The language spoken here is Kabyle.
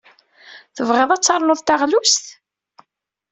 Tebɣiḍ ad ternuḍ taɣlust?